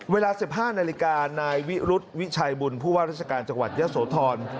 เวลา๑๕นาฬิกานายวิรุธวิชัยบุญผู้ว่าราชการจังหวัดเยอะโสธร